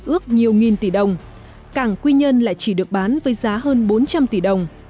ước nhiều nghìn tỷ đồng cảng quy nhân lại chỉ được bán với giá hơn bốn trăm linh tỷ đồng